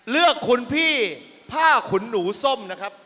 เลือกคุณพี่ผ้าขุนหนูส้มนะครับ